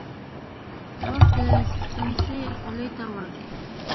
تواب د سمڅې خولې ته ورغی.